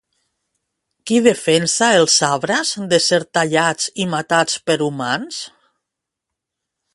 Qui defensa els arbres de ser tallats i matats per humans?